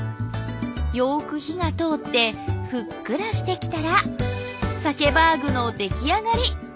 よく火が通ってふっくらしてきたらさけばーぐの出来上がり。